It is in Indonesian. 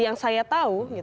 yang saya tahu